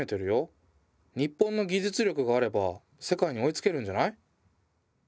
日本の技術力があれば世界に追いつけるんじゃない？